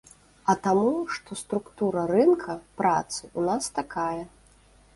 А таму, што структура рынка працы ў нас такая.